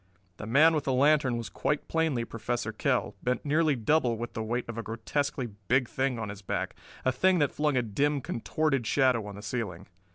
The man with the lantern was quite plainly Professor Kell, bent nearly double with the weight of a grotesquely big thing on his back, a thing that flung a dim, contorted shadow on the ceiling.